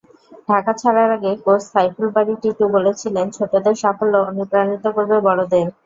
ঢাকা ছাড়ার আগে কোচ সাইফুল বারী টিটু বলেছিলেন, ছোটদের সাফল্য অনুপ্রাণিত করবে বড়দের।